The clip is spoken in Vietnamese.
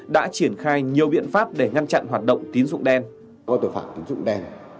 đã triển khai nhiều biện pháp để ngăn chặn hoạt động tín dụng đen